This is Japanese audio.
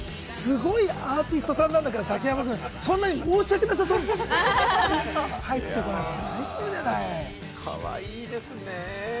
すごいアーティストさんなんだけれども、崎山君、そんな申し訳なさそうに入ってこなくても。